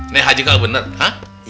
nih haji kagak bener hah